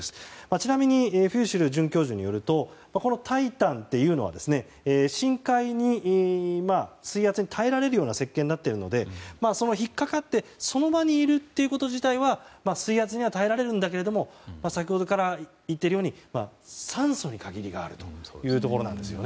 ちなみにフューシル准教授によりますとこの「タイタン」は、深海の水圧に耐えられる設計になっているので引っかかってその場にいること自体は水圧には耐えられるんだけれども先ほどから言っているように酸素に限りがあるというところなんです。